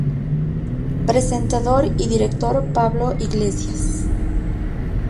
Presentador y director Pablo Iglesias.